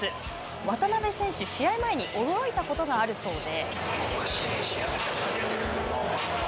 渡邊選手、試合前に驚いたことがあるそうで。